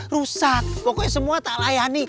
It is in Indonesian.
rusak pokoknya semua tak layani